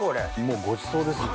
もうごちそうですよね。